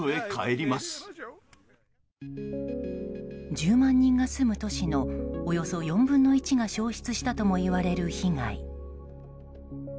１０万人が住む都市のおよそ４分の１が消失したともいわれる被害。